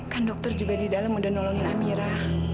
kan dokter juga di dalam udah nolongin amira